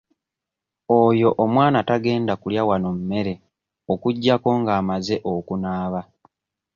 Oyo omwana tagenda kulya wanno mmere okuggyako ng'amaze okunaaba.